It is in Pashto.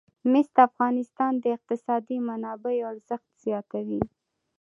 مس د افغانستان د اقتصادي منابعو ارزښت زیاتوي.